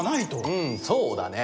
うんそうだね。